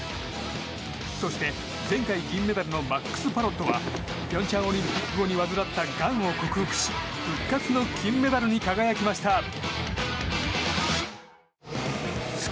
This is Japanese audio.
そして、前回銀メダルのマックス・パロットは平昌オリンピック後に患ったがんを克服し復活の金メダルに輝きました。